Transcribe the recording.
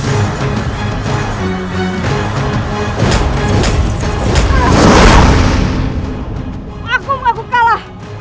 aku mau aku kalah